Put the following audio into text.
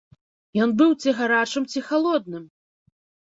Ён быў ці гарачым, ці халодным!